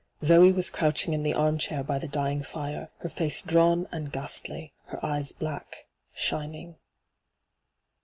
Zoe was crouching in the armchair by the dying Are, her &ce drawn and ghastly, her eyes black, shining.